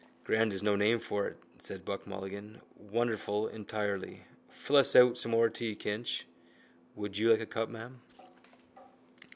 —Grand is no name for it, said Buck Mulligan. Wonderful entirely. Fill us out some more tea, Kinch. Would you like a cup, ma'am?